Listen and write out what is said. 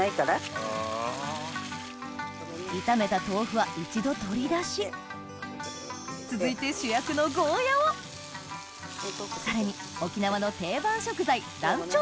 炒めた豆腐は一度取り出し続いて主役のゴーヤーをさらに沖縄の定番食材